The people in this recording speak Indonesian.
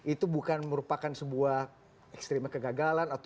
itu bukan merupakan sebuah ekstrimnya kegagalan